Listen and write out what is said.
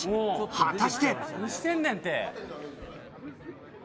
果たして。